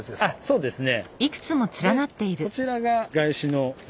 そうですね。